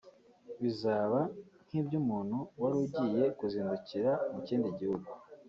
Bizaba nk’iby’umuntu wari ugiye kuzindukira mu kindi gihugu